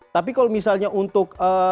tapi kalau misalnya untuk